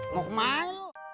mau kemana lo